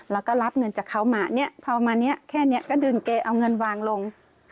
แล้วก็รับเงินจากเขามาพอมาแค่นี้ก็ดึงเกรเอาเงินวางลง